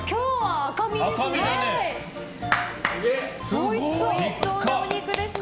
おいしそうなお肉ですね。